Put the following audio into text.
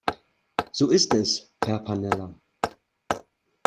So ist es, Herr Pannella.